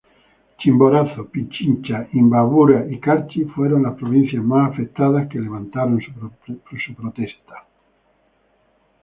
Chimborazo, Pichincha, Imbabura y Carchi, fueron las provincias más afectadas que levantaron su protesta.